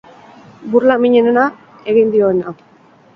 Burla minena, egia dioena.